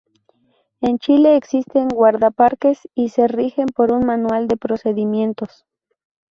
En Chile existen guardaparques y se rigen por un manual de procedimientos.